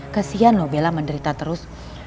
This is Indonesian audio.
kesian loh bella menderita terus